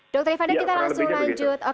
dokter ivana kita langsung lanjut